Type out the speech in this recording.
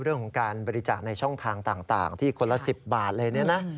เรื่องของการบริจาคในช่องทางต่างที่คนละ๑๐บาทอะไรเนี่ยนะ